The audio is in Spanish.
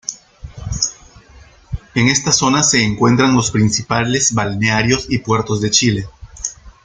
En esta zona se encuentran los principales balnearios y puertos de Chile.